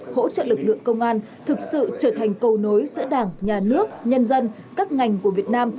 hỗ trợ lực lượng công an thực sự trở thành cầu nối giữa đảng nhà nước nhân dân các ngành của việt nam